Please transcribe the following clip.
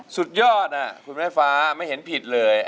สุดยอดคุณแม่ฟ้าไม่เห็นผิดเลย